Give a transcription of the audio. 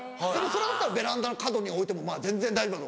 それだったらベランダの角に置いても全然大丈夫。